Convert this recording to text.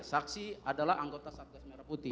saksi adalah anggota satgas merah putih